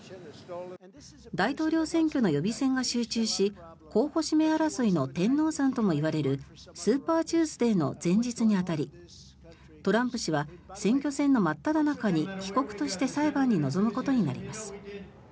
大統領選挙の予備選が集中し候補指名争いの天王山ともいわれるスーパーチューズデーの前日に当たりトランプ氏は選挙戦の真っただ中に被告として裁判に臨むことになります。